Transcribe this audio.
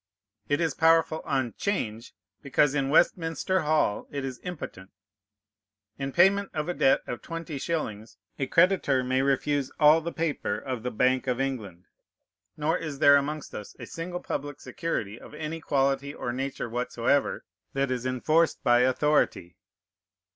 It is powerful on 'Change, because in Westminster Hall it is impotent. In payment of a debt of twenty shillings a creditor may refuse all the paper of the Bank of England. Nor is there amongst us a single public security, of any quality or nature whatsoever, that is enforced by authority.